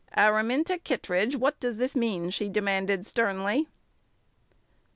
"Araminta Kittredge, what does this mean?" she demanded sternly.